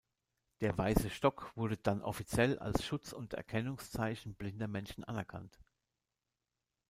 Der weiße Stock wurde dann offiziell als Schutz und Erkennungszeichen blinder Menschen anerkannt.